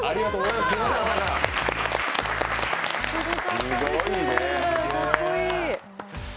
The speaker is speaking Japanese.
すごいね。